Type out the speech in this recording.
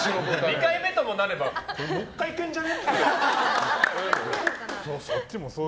２回目ともなればもう１回いけるんじゃね？